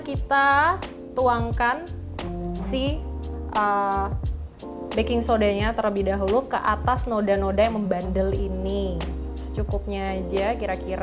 kita tuangkan si baking sodanya terlebih dahulu ke atas noda noda yang membandel ini secukupnya aja kira kira